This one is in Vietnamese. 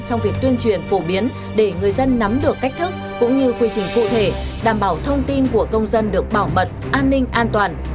trong việc tuyên truyền phổ biến để người dân nắm được cách thức cũng như quy trình cụ thể đảm bảo thông tin của công dân được bảo mật an ninh an toàn